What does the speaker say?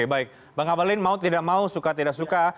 baik bang abalin mau tidak mau suka tidak suka